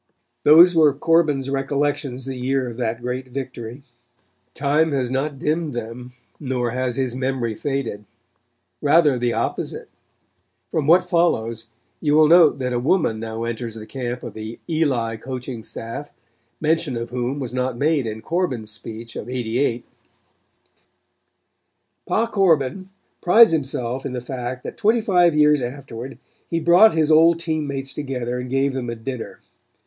Those were Corbin's recollections the year of that great victory. Time has not dimmed them, nor has his memory faded. Rather the opposite. From what follows you will note that a woman now enters the camp of the Eli coaching staff, mention of whom was not made in Corbin's speech of '88. Pa Corbin prides himself in the fact that twenty five years afterward he brought his old team mates together and gave them a dinner.